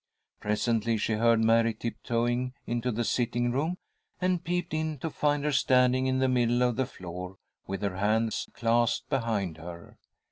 Presently she heard Mary tiptoeing into the sitting room, and peeped in to find her standing in the middle of the floor, with her hands clasped behind her.